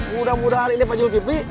mudah mudahan ini pak juh lebih beli